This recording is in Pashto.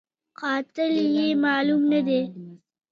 قاتل یې معلوم نه دی